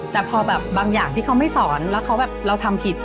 แต่พอแบบบางอย่างที่เขาไม่สอนแล้วเขาแบบเราทำผิด